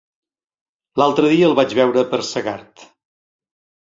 L'altre dia el vaig veure per Segart.